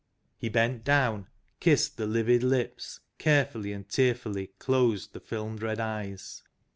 He bent down, kissed the livid lips, carefully and tearfully closed the filmed red eyes.